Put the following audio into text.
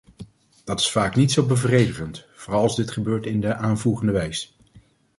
Dat is vaak niet zo bevredigend, vooral als dit gebeurt in de aanvoegende wijs.